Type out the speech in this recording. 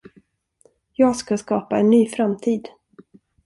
Jag ska skapa en ny framtid.